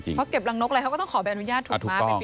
เพราะเก็บรังนกอะไรเขาก็ต้องขอใบอนุญาตถูกไหม